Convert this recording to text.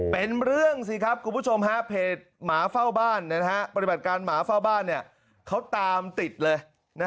เป็นเรื่องสิครับคุณผู้ชมฮะเพจหมาเฝ้าบ้านปฏิบัติการหมาเฝ้าบ้านเขาตามติดเลย